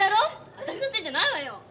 私のせいじゃないわよ。